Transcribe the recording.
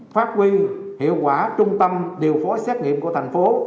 phát huy hiệu quả trung tâm điều phối xét nghiệm của thành phố